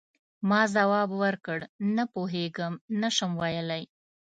ما ځواب ورکړ: نه پوهیږم، نه شم ویلای.